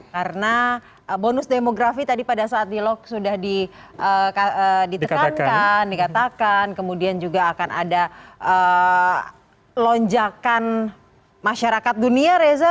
karena bonus demografi tadi pada saat dialog sudah ditekankan dikatakan kemudian juga akan ada lonjakan masyarakat dunia reza